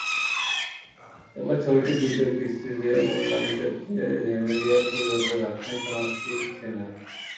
এবার ছবিটির দ্বিতীয় কিস্তিতে, মূল নারী চরিত্রে জেনেলিয়ার পরিবর্তে থাকছেন সোনাক্ষী সিনহা।